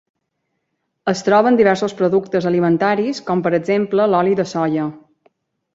Es troba en diversos productes alimentaris com per exemple l'oli de soia.